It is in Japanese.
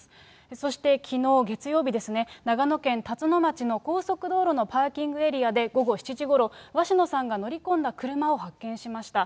そして、きのう月曜日ですね、長野県辰野町の高速道路のパーキングエリアで、午後７時ごろ、鷲野さんが乗り込んだ車を発見しました。